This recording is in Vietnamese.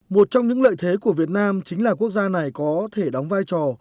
một trong những lợi thế của việt nam chính là quốc gia này có thể đóng vai trò